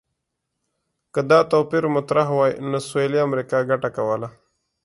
که دا توپیر مطرح وای، نو سویلي امریکا ګټه کوله.